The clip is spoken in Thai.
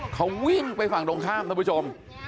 เขาวิ่งไปฝั่งตรงข้ามท่านผู้ชม